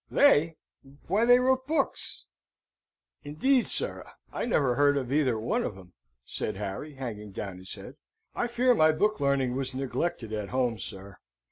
"They! Why, they wrote books." "Indeed, sir. I never heard of either one of 'em," said Harry, hanging down his head. "I fear my book learning was neglected at home, sir.